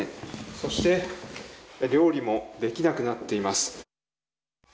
そして料理もできなくなっています。